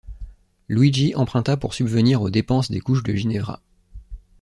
Luigi emprunta pour subvenir aux dépenses des couches de Ginevra.